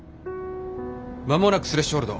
間もなくスレッシュホールド。